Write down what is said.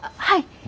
はい。